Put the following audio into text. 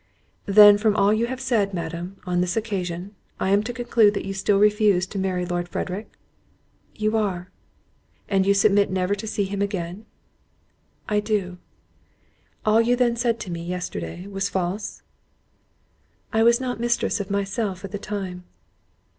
"Then from all you have said, Madam, on this occasion, I am to conclude that you still refuse to marry Lord Frederick?" "You are." "And you submit never to see him again?" "I do." "All you then said to me, yesterday, was false?" "I was not mistress of myself at the time."